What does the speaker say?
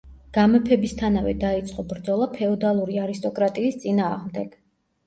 გამეფებისთანავე დაიწყო ბრძოლა ფეოდალური არისტოკრატიის წინააღმდეგ.